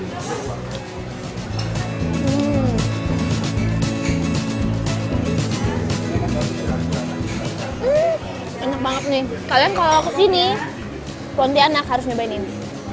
kalian kalau ke sini pontianak harus nyobain ini